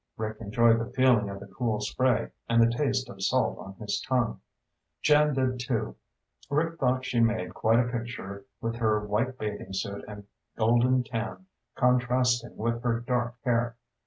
Rick enjoyed the feeling of the cool spray, and the taste of salt on his tongue. Jan did, too. Rick thought she made quite a picture with her white bathing suit and golden tan contrasting with her dark hair.